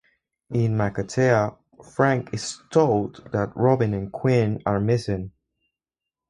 In Makatea, Frank is told that Robin and Quinn are missing.